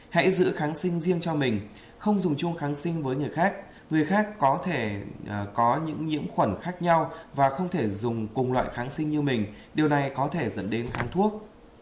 hãy giữ kháng sinh riêng cho mình không dùng chung kháng sinh với người khác người khác có thể có những nhiễm khuẩn khác nhau và không thể dùng cùng loại kháng sinh như mình điều này có thể dẫn đến kháng thuốc